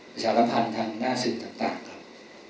ประชารพันธ์ทางหน้าสื่อต่างครับ